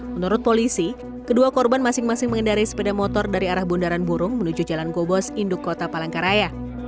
menurut polisi kedua korban masing masing mengendari sepeda motor dari arah bundaran burung menuju jalan gobos induk kota palangkaraya